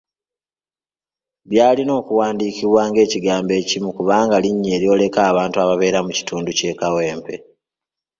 Byalina okuwandiikibwa ng'ekigambo ekimu kubanga linnya eryoleka abantu ababeera mu kitundu ky'e Kawempe.